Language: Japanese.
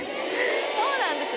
そうなんです。